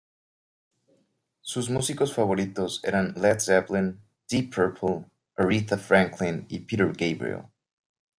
Sus músicos favoritos eran Led Zeppelin, Deep Purple, Aretha Franklin y Peter Gabriel.